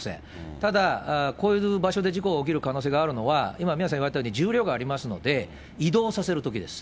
ただ、こういう場所で事故が起きる可能性があるのは、今、宮根さん言われたように重量がありますので、移動させるときです。